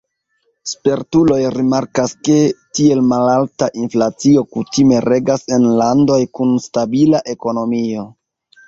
Spertuloj rimarkas, ke tiel malalta inflacio kutime regas en landoj kun stabila ekonomio.